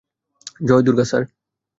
Joy Durga, sir.